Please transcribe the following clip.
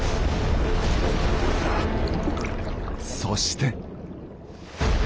そして。